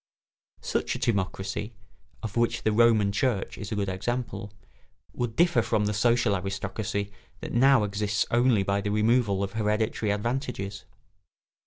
Such a timocracy (of which the Roman Church is a good example) would differ from the social aristocracy that now exists only by the removal of hereditary advantages.